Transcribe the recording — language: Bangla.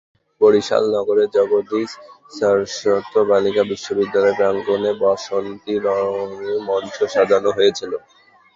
বরিশাল নগরের জগদীশ সারস্বত বালিকা বিদ্যালয় প্রাঙ্গণে বাসন্তী রঙে মঞ্চ সাজানো হয়েছিল।